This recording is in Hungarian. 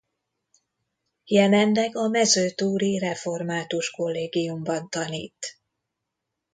Jelenleg a Mezőtúri Református Kollégiumban tanít.